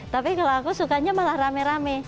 tapi kalau aku sukanya malah rame rame